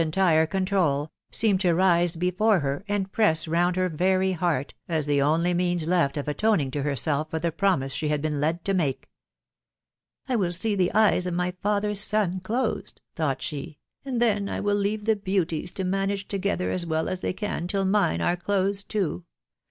entire: control, seemed to rise before her, and press round her: very heart, aft: the only means left of atoning! to. herself fbv. the ;prornue sh« hod been led to* make.. " I will see the eyes of ray. fathers son. closed," thought she, " and then I will leave the beauties* to manage together as well as they can till mine are closed to, ...